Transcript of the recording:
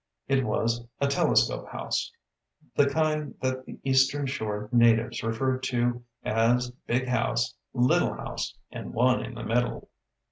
It was a "telescope house" the kind that the Eastern Shore natives referred to as "big house, little house, and one in the middle."